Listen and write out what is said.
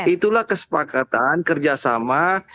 itulah kesepakatan kerjasama